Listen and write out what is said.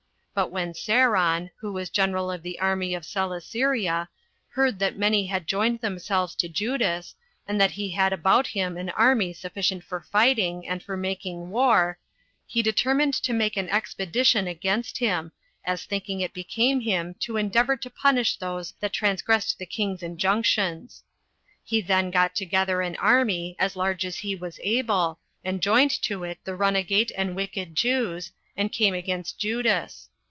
But when Seron, who was general of the army of Celesyria, heard that many had joined themselves to Judas, and that he had about him an army sufficient for fighting, and for making war, he determined to make an expedition against him, as thinking it became him to endeavor to punish those that transgressed the king's injunctions. He then got together an army, as large as he was able, and joined to it the runagate and wicked Jews, and came against Judas.